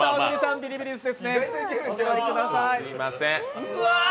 ビリビリ椅子です。